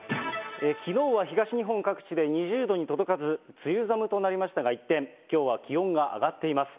きのうは東日本各地で２０度に届かず、梅雨寒となりましたが一転、きょうは気温が上がっています。